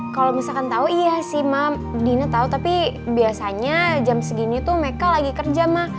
kalau misalkan tau iya sih mam dina tau tapi biasanya jam segini tuh meka lagi kerja ma